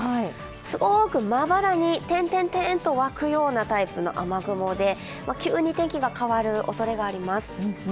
すごくまばらに点々と湧くようなタイプの雨雲で急に天気が変わるおそれがあります。